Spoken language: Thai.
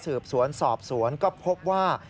สืบสวนสอบสวนก็พบว่า